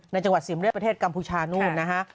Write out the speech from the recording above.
จังหวัดสิมเลือดประเทศกัมพูชานู่นนะฮะ